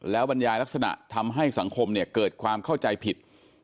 บรรยายลักษณะทำให้สังคมเนี่ยเกิดความเข้าใจผิด